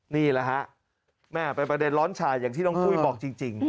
นี่แหละฮะแม่เป็นประเด็นร้อนฉ่าอย่างที่น้องปุ้ยบอกจริง